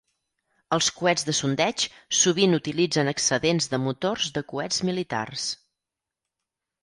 Els coets de sondeig sovint utilitzen excedents de motors de coets militars.